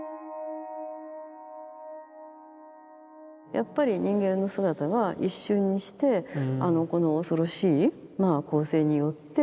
やっぱり人間の姿が一瞬にしてこの恐ろしい光線によって消えてしまう。